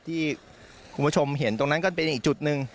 ที่คุณผู้ชมเห็นตรงนั้นก็เป็นอีกจุดหนึ่ง